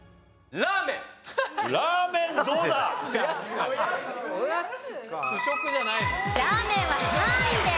ラーメンは３位です。